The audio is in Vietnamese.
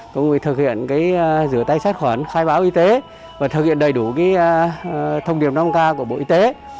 cũng thực hiện rửa tay sát khuẩn khai báo y tế và thực hiện đầy đủ thông điệp năm k của bộ y tế